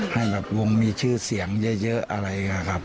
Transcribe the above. ให้วงมีชื่อเสียงเยอะอะไร